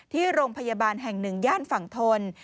ที่โรงพยาบาลแห่งหนึ่งย่านฝั่งทน